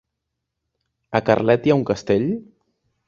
A Carlet hi ha un castell?